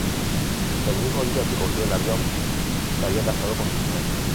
El mismo día que cogió el avión se había casado con su mujer.